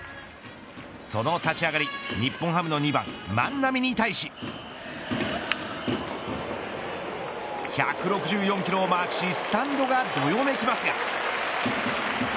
その立ち上がり、日本ハムの２番万波に対し１６４キロをマークしスタンドがどよめきますが。